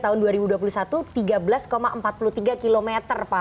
tahun dua ribu dua puluh satu tiga belas empat puluh tiga km pak